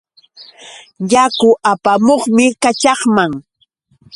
Yaku apamuqmi kaćhaqman.